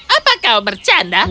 apa kau bercanda